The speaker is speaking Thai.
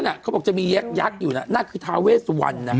นั่นแหละเขาบอกจะมียักษ์ยักษ์อยู่น่ะนั่นคือทาเวสสวรรค์น่ะอืม